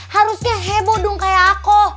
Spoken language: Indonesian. harusnya heboh dong kayak aku